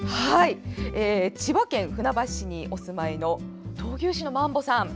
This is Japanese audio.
千葉県船橋市にお住まいの闘牛士のマンボさん。